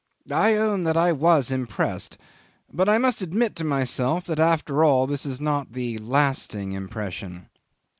I own that I was impressed, but I must admit to myself that after all this is not the lasting impression.